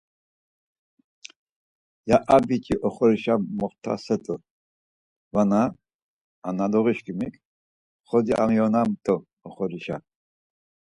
Ya a biç̌i oxorişe moxt̆aset̆u vana analuği şǩimik xoci amiyonamt̆u oxorişe.